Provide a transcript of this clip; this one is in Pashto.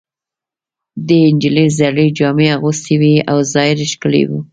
دې نجلۍ زړې جامې اغوستې وې او ظاهراً ښکلې نه وه